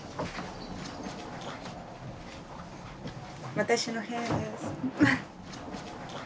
私の部屋です。